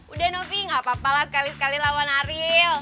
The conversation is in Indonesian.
udah novi gak apa apalah sekali sekali lawan ariel